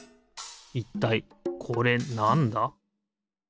いったいこれなんだ？